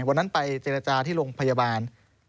วันนั้นไปเจรจาที่โรงพยาบาล